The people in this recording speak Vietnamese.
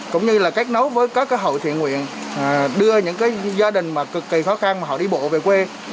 cũng như là kết nối với các hội thiện nguyện đưa những gia đình mà cực kỳ khó khăn mà họ đi bộ về quê